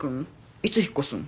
いつ引っ越すん？